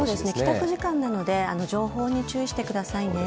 帰宅時間なので情報に注意してくださいね。